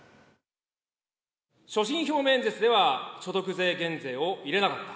所信表明演説では、所得税減税を入れなかった。